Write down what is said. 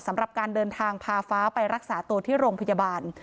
สำหรับการเดินทางพาฟ้าไปรักษาตัวที่โรงพยาบาล